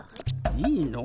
いいの？